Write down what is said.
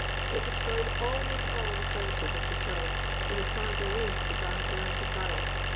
It destroyed almost all the fighters of the tribe, who had formed a ring to dance around the fire.